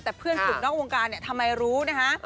แต่เพื่อนกลุ่มนอกวงการเนี่ยทำไมรู้นะคะ